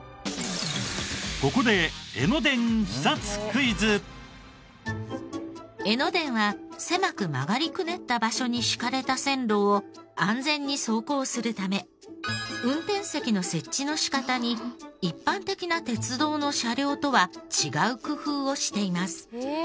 ここで江ノ電は狭く曲がりくねった場所に敷かれた線路を安全に走行するため運転席の設置の仕方に一般的な鉄道の車両とは違う工夫をしています。